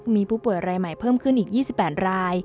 มีผู้ป่วยรายใหม่เพิ่มขึ้นอีก๒๘ราย